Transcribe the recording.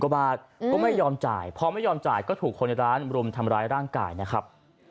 กว่าบาทก็ไม่ยอมจ่ายพอไม่ยอมจ่ายก็ถูกคนในร้านรุมทำร้ายร่างกายนะครับ